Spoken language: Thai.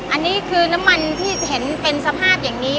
อันนี้คือน้ำมันที่เห็นเป็นสภาพอย่างนี้